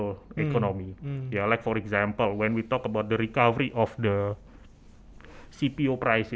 ya seperti contohnya ketika kita bicara tentang penyelamat dari harga cpo